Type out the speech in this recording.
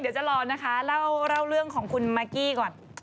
เดี๋ยวจะรอนะคะเล่าเรื่องของคุณมากกี้ก่อน